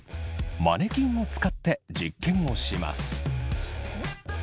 マネキンを使って実験をします。